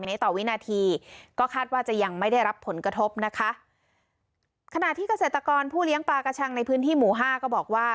ในต่อวินาทีก็คาดว่าจะยังไม่ได้รับผลกระทบนะคะขณะที่เกษตรกรผู้เลี้ยงปลากระชังในพื้นที่หมู่ห้าก็บอกว่า